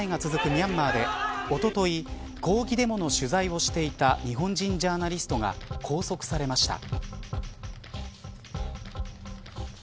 ミャンマーでおととい抗議デモの取材をしていた日本人ジャーナリストが拘束されました。